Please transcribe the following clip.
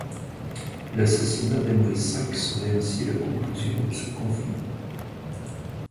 L'assassinat d'Aimeri V serait ainsi la conclusion de ce conflit.